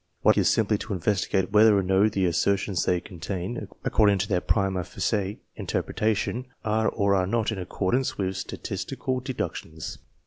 What I undertake is simply to investigate whether or no the assertions they contain, according to their primd facie interpretation, are or are not in accordance with statistical deductions.